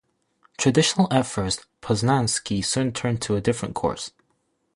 Traditional at first, Poznanski soon turned to a different course.